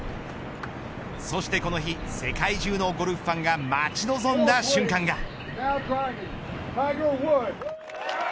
そしてこの日世界中のゴルフファンが待ち望んだ瞬間が。